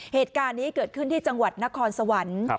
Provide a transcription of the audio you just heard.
เหตุการณ์นี้เกิดขึ้นที่จังหวัดนครสวรรค์